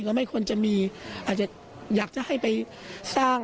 ไม่ควรจะมีอาจจะอยากจะให้ไปสร้าง